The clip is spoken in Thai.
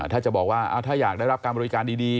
ถ้าจะบอกว่าถ้าอยากได้รับการบริการดี